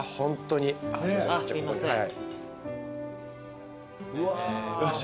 すみません。